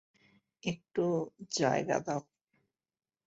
একটু জায়গা দাও।